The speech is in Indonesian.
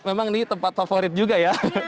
memang ini tempat favorit juga ya